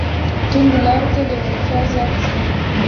توندو لارو ته لېوالتیا زیاته شوه